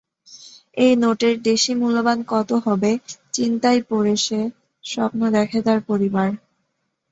এই নোটের দেশী মূল্যমান কত হবে, চিন্তায় পড়ে সে, স্বপ্ন দেখে তার পরিবার।